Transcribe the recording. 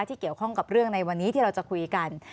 ที่เกี่ยวข้องกับเรื่องในวันนี้ที่เราจะคุยกัน